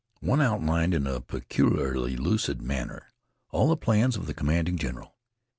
One outlined in a peculiarly lucid manner all the plans of the commanding general.